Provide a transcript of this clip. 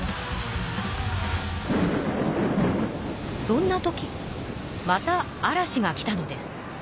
そんなときまた嵐が来たのです。